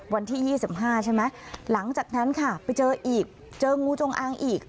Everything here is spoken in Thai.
วันที่๒๕ใช่ไหมหลังจากนั้นค่ะไปเจออีกเจองูจงอางอีก